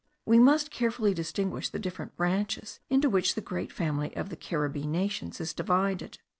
We must carefully distinguish the different branches into which the great family of the Caribbee nations is divided.